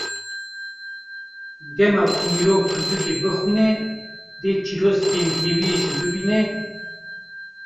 Dema ku mirov pirtûkê bixwîne, dê çirûskên hêviyê jî bibîne ….